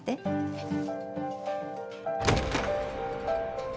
はい。